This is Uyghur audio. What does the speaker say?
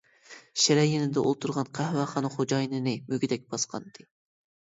شىرە يېنىدا ئولتۇرغان قەھۋەخانا خوجايىنىنى مۈگدەك باسقانىدى.